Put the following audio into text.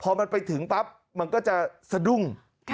พอมันไปถึงปั๊บมันก็จะสะดุ้ง